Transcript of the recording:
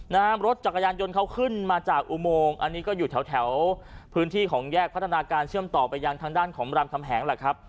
นะฮะรถจักรยานยนต์เขาขึ้นมาจากอุโมงอันนี้ก็อยู่แถวแถวพื้นที่ของแยกพัฒนาการเชื่อมต่อไปยังทางด้านของรามคำแหงแหละครับ